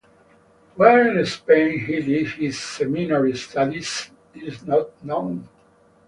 Where in Spain he did his seminary studies is not known.